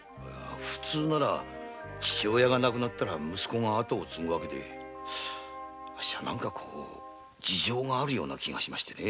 ふつうなら父親が亡くなったら息子が跡を継ぐわけであっしは何か事情があるような気がしましてね。